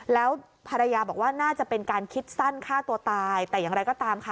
แล้วภรรยาบอกว่าน่าจะเป็นการคิดสั้นฆ่าตัวตายแต่อย่างไรก็ตามค่ะ